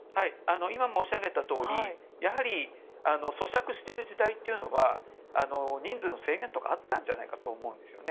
今、申し上げたとおり租借している時代は人数の制限とかあったんじゃないかと思うんです。